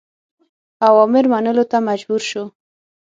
اوامرو منلو ته مجبور شو.